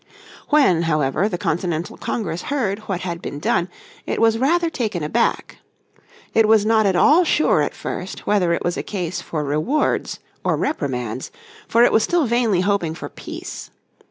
When however the Continental Congress heard what had been done it was rather taken aback. It was not at all sure at first whether it was a case for rewards or reprimands, for it was still vainly hoping for peace.